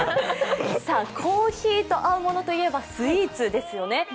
コーヒーと合うものといえばスイーツですよね。